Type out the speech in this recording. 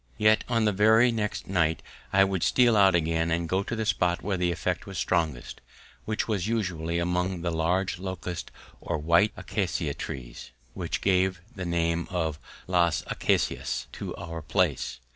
Yet on the very next night I would steal out again and go to the spot where the effect was strongest, which was usually among the large locust or white acacia trees, which gave the name of Las Acacias to our place.